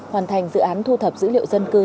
hoàn thành dự án thu thập dữ liệu dân cư